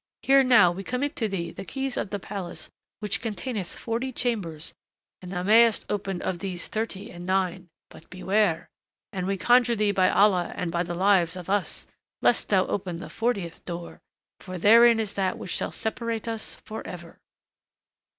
Here now we commit to thee the keys of the palace which containeth forty chambers and thou mayest open of these thirty and nine, but beware (and we conjure thee by Allah and by the lives of us!) lest thou open the fortieth door, for therein is that which shall separate us forever."